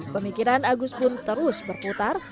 pemikiran agus pun terus berputar